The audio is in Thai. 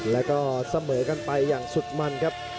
แล้วก็เสมอกันไปอย่างสุดมันครับ